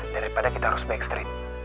daripada kita harus backstreet